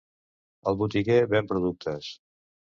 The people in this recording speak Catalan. El botiguer ven productes.